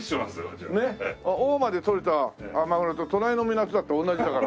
大間で取れたマグロと隣の港だって同じだから。